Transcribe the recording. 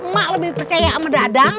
mak lebih percaya sama dadang